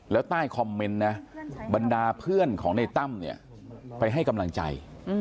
แล้วใต้คอมเมนต์นะบรรดาเพื่อนของในตั้มเนี่ยไปให้กำลังใจ